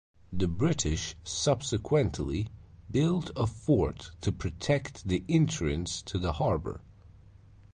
The British subsequently built a fort to protect the entrance to the harbor.